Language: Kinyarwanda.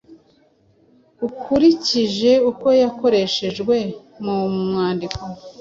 ukurikije uko yakoreshejwe mu mwandiko: